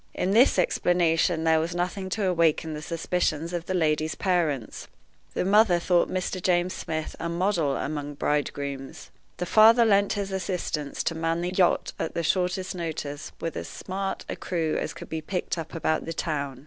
In this explanation there was nothing to awaken the suspicions of the lady's parents. The mother thought Mr. James Smith a model among bridegrooms. The father lent his assistance to man the yacht at the shortest notice with as smart a crew as could be picked up about the town.